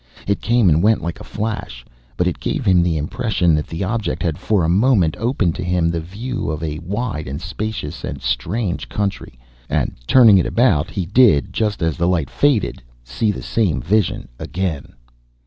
It came and went like a flash, but it gave him the impression that the object had for a moment opened to him the view of a wide and spacious and strange country; and, turning it about, he did, just as the light faded, see the same vision again.